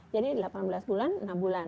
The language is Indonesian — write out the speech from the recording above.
jadi delapan belas bulan enam bulan